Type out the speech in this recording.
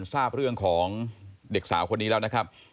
ทราบเรื่องของเด็กสาวคนนี้แล้วนะครับ